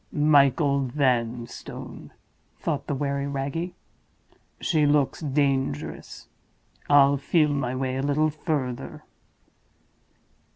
"Michael Vanstone!" thought the wary Wragge. "She looks dangerous; I'll feel my way a little further."